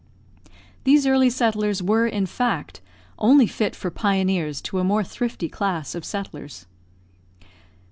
These early settlers were, in fact, only fit for pioneers to a more thrifty class of settlers.